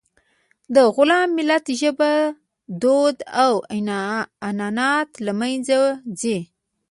د غلام ملت ژبه، دود او عنعنات له منځه ځي.